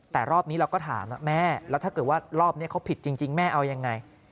แต่รอบนี้เราก็ถามแม่แล้วถ้าเกิดว่ารอบนี้เขาผิดจริงแม่เอายังไง